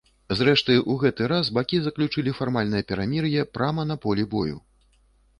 Зрэшты, у гэты раз бакі заключылі фармальнае перамір'е прама на полі бою.